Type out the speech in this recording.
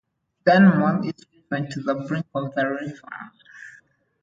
The animal is driven to the brink of the river.